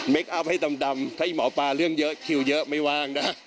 คอัพให้ดำถ้าหมอปลาเรื่องเยอะคิวเยอะไม่ว่างนะ